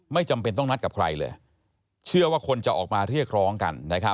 จำเป็นต้องนัดกับใครเลยเชื่อว่าคนจะออกมาเรียกร้องกัน